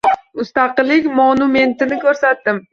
Mustaqillik monumentini koʻrsatdim.